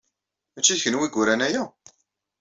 Mačči d kenwi i yuran aya?